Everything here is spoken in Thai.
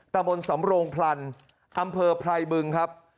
ตะบนสำโรงพลันอำเภอไพรบึงครับ